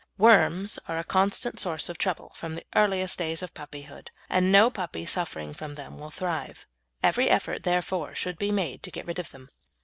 Worms are a constant source of trouble from the earliest days of puppy hood, and no puppy suffering from them will thrive; every effort, therefore, should be made to get rid of them.